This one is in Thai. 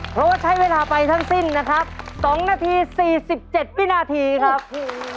เพราะว่าใช้เวลาไปทั้งสิ้นนะครับ๒นาที๔๗วินาทีครับ